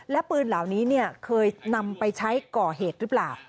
และปืนเหล่านี้เคยนำไปใช้ก่อเหตุหรือเปล่า